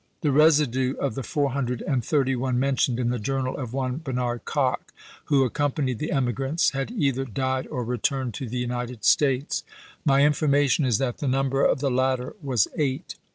The residue of the four hundred and thirty one mentioned in the journal of one Bernard Kock, who accompanied the emigrants, had either died or returned to the United States. My infor mation is that the number of the latter was eight.